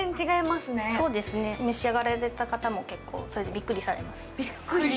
召し上がられた方も、結構それでびっくりされます。